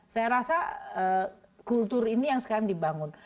saya rasa kultur ini yang sekarang dibangun